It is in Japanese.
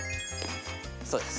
そうです。